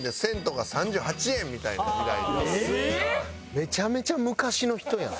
めちゃめちゃ昔の人やん。